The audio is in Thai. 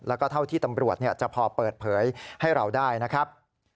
แล้วก็เท่าที่ตำรวจจะพอเปิดเผยให้เราได้นะครับ